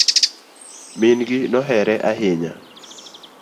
Min gi nohere ahinya